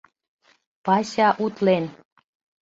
Вася утлен.